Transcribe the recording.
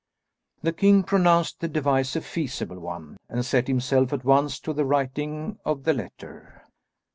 The king pronounced the device a feasible one, and set himself at once to the writing of the letter.